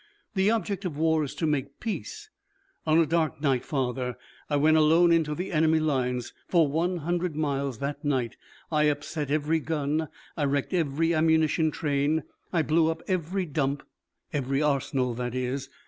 The object of war is to make peace. On a dark night, father, I went alone into the enemy lines. For one hundred miles that night I upset every gun, I wrecked every ammunition train, I blew up every dump every arsenal, that is.